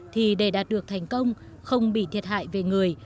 thì để đạt được thành công không bị thiệt hại về người